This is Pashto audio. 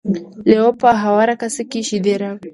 لیوه په هواره کاسه کې شیدې راوړې.